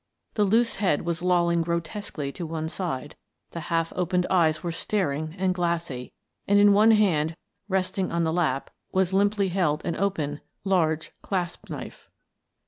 The loose head was lolling grotesquely to one side, the half opened eyes were staring and glassy, and in one hand, resting on the lap, was limply held an open, large clasp knife.